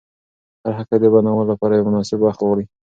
هر حقیقت د بیانولو لپاره یو مناسب وخت غواړي.